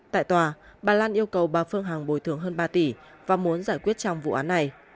tại tòa bà lan yêu cầu bà phương hằng bồi thường hơn ba tỷ và muốn giải quyết trong vụ án này